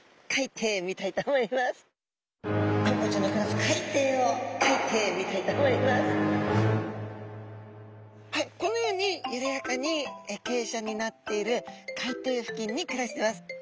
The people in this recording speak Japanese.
そしてはいこのようにゆるやかにけいしゃになっている海底付近に暮らしてます。